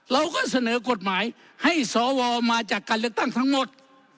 เราก็เสนอกฎหมายให้สวมาจากการเลือกตั้งทั้งหมด